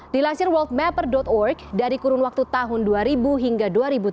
dilansir worldmapper org dari kurun waktu tahun dua ribu hingga dua ribu tujuh belas